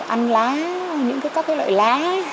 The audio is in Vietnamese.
ăn lá những các loại lá